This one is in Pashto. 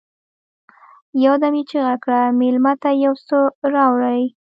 يودم يې چيغه کړه: مېلمه ته يو څه راوړئ!